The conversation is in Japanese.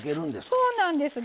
そうなんです。